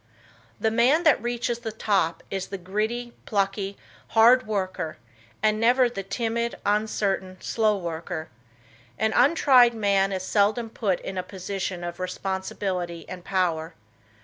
The man that reaches the top is the gritty, plucky, hard worker and never the timid, uncertain, slow worker. An untried man is seldom put in a position of responsibility and power.